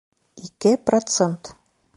Ике процент